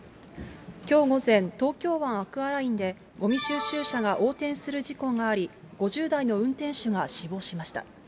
きょう午前、東京湾アクアラインでごみ収集車が横転する事故があり、５０代の運転手が死亡しました。